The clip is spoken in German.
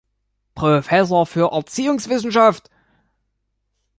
Professor für Erziehungswissenschaft.